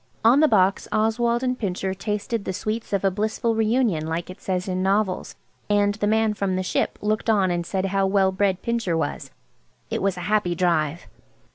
On the box Oswald and Pincher "tasted the sweets of a blissful re union," like it says in novels. And the man from the "Ship" looked on and said how well bred Pincher was. It was a happy drive.